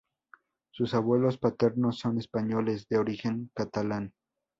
Sus abuelos paternos son españoles, de origen catalán.